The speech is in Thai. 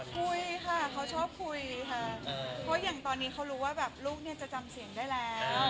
คุยค่ะเขาชอบคุยค่ะเพราะอย่างตอนนี้เขารู้ว่าแบบลูกเนี่ยจะจำเสียงได้แล้ว